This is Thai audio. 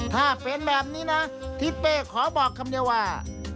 ถ้าเป็นแบบนี้นะทิศเป้ขอบอกคำเดียวว่า